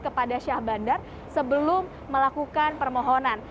kepada syah bandar sebelum melakukan permohonan